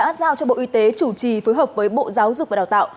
đã giao cho bộ y tế chủ trì phối hợp với bộ giáo dục và đào tạo